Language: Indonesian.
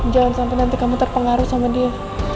jangan sampai nanti kamu terpengaruh sama dia